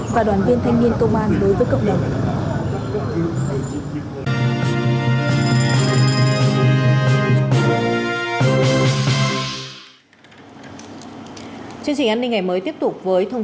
và đoàn viên thanh niên công an đối với cộng đồng chương trình an ninh ngày mới tiếp tục với thông